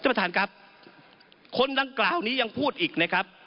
ประธานครับคนดังกล่าวนี้ยังพูดอีกนะครับ